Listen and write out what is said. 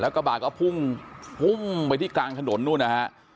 แล้วกระบาดก็พุ่งไปที่กลางถนนนะฮะ